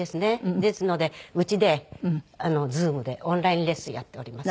ですので家でＺｏｏｍでオンラインレッスンやっております。